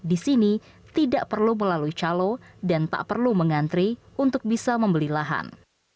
di sini tidak perlu melalui calo dan tak perlu mengantri untuk bisa membeli lahan